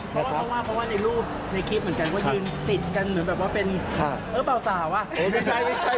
เพราะว่าในรูปในคลิปเหมือนกันก็ยืนติดกันเหมือนแบบว่าเป็น